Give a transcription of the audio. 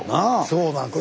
そうなんですよ。